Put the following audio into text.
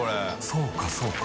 そうかそうか。